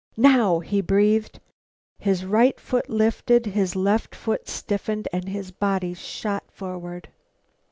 "Now!" he breathed. His right foot lifted, his left stiffened, his body shot forward.